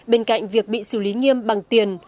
bên cạnh việc bị xử lý nghiêm bằng tiền